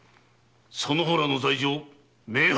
その方らの罪状明白！